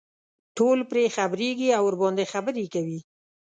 ټول پرې خبرېږي او ورباندې خبرې کوي.